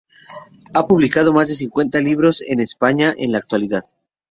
Ha publicado más de cincuenta libros en España en la actualidad.